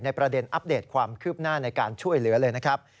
ประเด็นอัปเดตความคืบหน้าในการช่วยเหลือเลยนะครับ